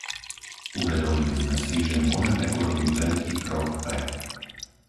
Uvedomili sme si, že môžeme urobiť veľký krok vpred.